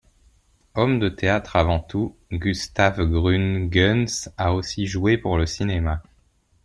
Homme de théâtre avant tout, Gustaf Gründgens a aussi joué pour le cinéma.